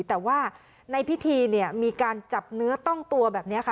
แต่ว่าในพิธีเนี่ยมีการจับเนื้อต้องตัวแบบนี้ค่ะ